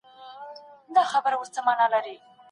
له خپلو ویرو څخه تېښته مه کوئ.